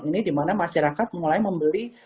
ini di mana masyarakat mulai membeli